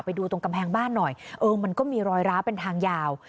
ไปดูตรงกำแพงบ้านหน่อยเออมันก็มีรอยร้าเป็นทางยาว